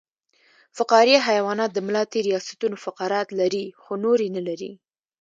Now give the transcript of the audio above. فقاریه حیوانات د ملا تیر یا ستون فقرات لري خو نور یې نلري